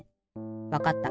わかった。